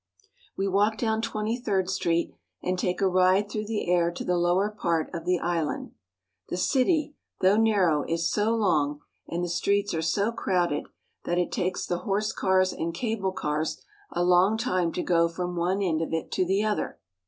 We walk down Twenty third Street, and take a ride through the air to the lower part of the island. The city, though narrow, is so long, and the streets are so crowded, that it takes the horse cars and cable cars a long time to go from one end of it to the other.